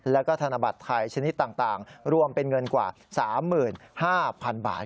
แล้วก็ธนบัตรไทยชนิดต่างรวมเป็นเงินกว่า๓๕๐๐๐บาท